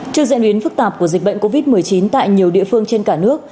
trước diễn biến phức tạp của dịch bệnh covid một mươi chín tại nhiều địa phương trên cả nước